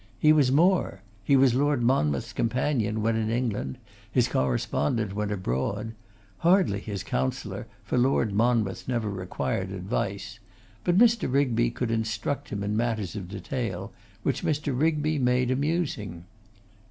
He was more; he was Lord Monmouth's companion when in England, his correspondent when abroad; hardly his counsellor, for Lord Monmouth never required advice; but Mr. Rigby could instruct him in matters of detail, which Mr. Rigby made amusing.